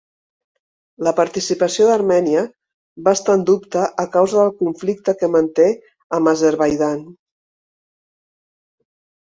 La participació d'Armènia va estar en dubte a causa del conflicte que manté amb Azerbaidjan.